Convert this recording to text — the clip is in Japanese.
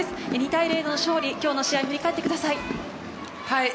２対０の勝利、今日の試合を振り返ってください。